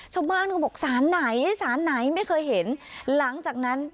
เขาบอกสารไหนสารไหนไม่เคยเห็นหลังจากนั้น